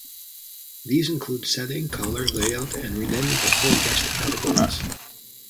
These include setting, color, layout, and renaming the four guest categories.